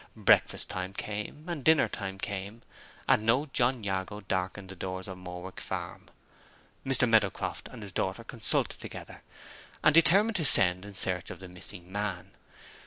Breakfast time came, and dinner time came, and no John Jago darkened the doors of Morwick Farm. Mr. Meadowcroft and his daughter consulted together, and determined to send in search of the missing man.